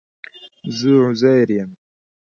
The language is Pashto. زه عزير يم